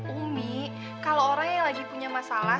umi kalau orang yang lagi punya masalah